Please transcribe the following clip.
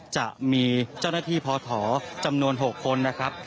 จะมีเจ้าหน้าที่พอถอจำนวน๖คนนะครับ